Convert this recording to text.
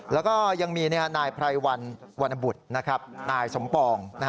แล้วก็ยังมีนายไพรวันวัณบุตรนะครับนายสมปองนะฮะ